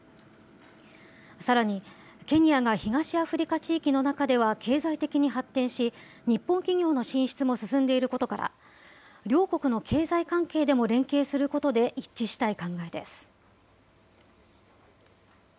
さらに、ケニアが東アフリカ地域の中では経済的に発展し、日本企業の進出も進んでいることから、両国の経済関係でも連携することで一致したい考えです。